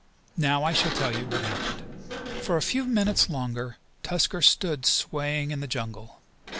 Now I shall tell you what happened. For a few minutes longer Tusker stood swaying in the jungle.